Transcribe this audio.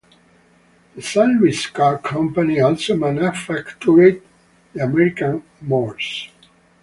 The Saint Louis Car Company also manufactured the American Mors.